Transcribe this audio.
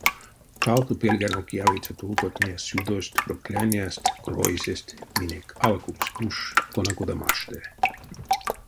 Кавто пельганок явиця тулкотне сюдость, проклянясть, кройсесть минек алкукс уш кона кода машты.